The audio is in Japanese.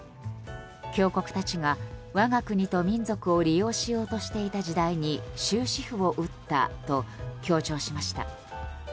強国たちが我が国と民族を利用しようとしていた時代に終止符を打ったと強調しました。